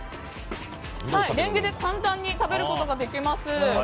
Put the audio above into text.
レンゲで簡単に食べることができます。